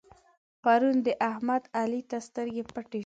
پرون د احمد؛ علي ته سترګې پټې شوې.